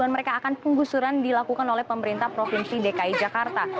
dan mereka akan penggusuran dilakukan oleh pemerintah provinsi dki jakarta